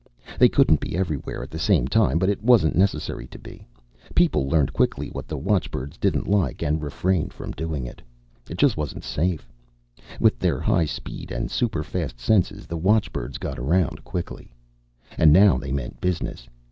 They couldn't be everywhere at the same time, but it wasn't necessary to be. People learned quickly what the watchbirds didn't like and refrained from doing it. It just wasn't safe. With their high speed and superfast senses, the watchbirds got around quickly. And now they meant business.